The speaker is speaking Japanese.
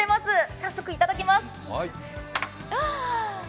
早速、いただきます。